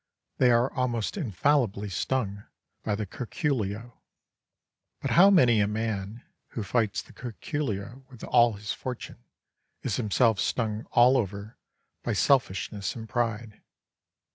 They are almost infallibly stung by the curculio. But how many a man who fights the curculio with all his fortune is himself stung all over by selfishness and pride!